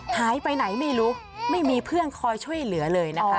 หายไปไหนไม่รู้ไม่มีเพื่อนคอยช่วยเหลือเลยนะคะ